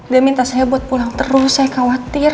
dia minta saya buat pulang terus saya khawatir